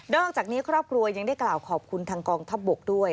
อกจากนี้ครอบครัวยังได้กล่าวขอบคุณทางกองทัพบกด้วย